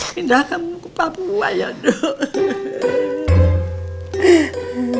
pindahkan muka papua ya dong